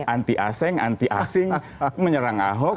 anti aseng anti asing menyerang ahok